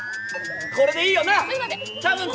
これでいいよな！